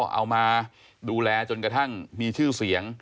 เอามาดูแลจนกระทั่งมีชื่อเสียง